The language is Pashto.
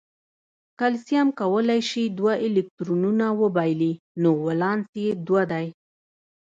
کلسیم کولای شي دوه الکترونونه وبایلي نو ولانس یې دوه دی.